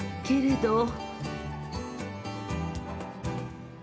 けれど。